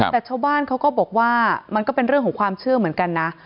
แต่ชาวบ้านเขาก็บอกว่ามันก็เป็นเรื่องของความเชื่อเหมือนกันนะ